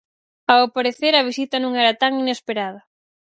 Ao parecer, a visita non era tan inesperada.